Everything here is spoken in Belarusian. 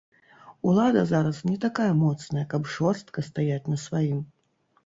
Улада зараз не такая моцная, каб жорстка стаяць на сваім.